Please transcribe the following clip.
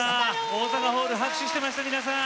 大阪ホール拍手してました皆さん！